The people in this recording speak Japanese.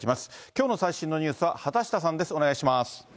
きょうの最新のニュースは畑下さんです。